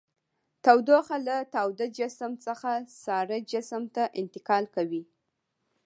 تودوخه له تاوده جسم څخه ساړه جسم ته انتقال کوي.